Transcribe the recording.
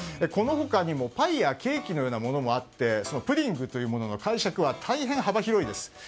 この他にもパイやケーキのようなものもあってプディングの解釈は大変幅広いです。